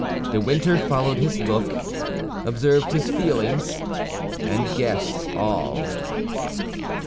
De Winter followed his look, observed his feelings, and guessed all.